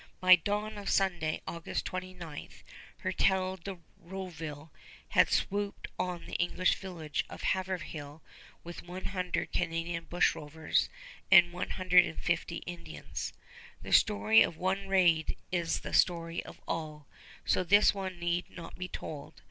By dawn of Sunday, August 29, Hertel de Rouville had swooped on the English village of Haverhill with one hundred Canadian bushrovers and one hundred and fifty Indians. The story of one raid is the story of all; so this one need not be told.